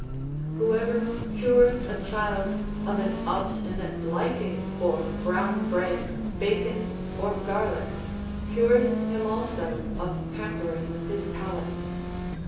Whoever cures a child of an obstinate liking for brown bread, bacon, or garlic, cures him also of pampering his palate.